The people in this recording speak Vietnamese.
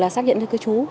xác nhận cho các chú